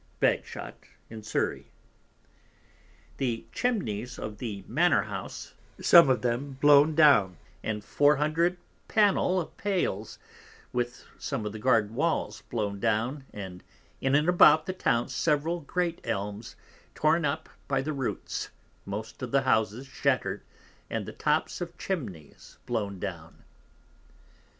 Bagshot in Surry. The Chimneys of the Mannor House, some of them blown down, and 400 Pannel of Pales, with some of the Garden Walls blown down, and in and about the Town several great Elms torn up by the Roots, most of the Houses shatter'd, and the tops of Chimneys blown down.